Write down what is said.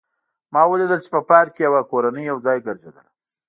ما ولیدل چې په پارک کې یوه کورنۍ یو ځای ګرځېدله